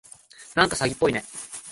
なんか詐欺っぽいね。